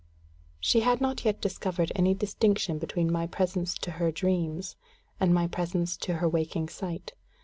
She had not yet discovered any distinction between my presence to her dreams and my presence to her waking sight.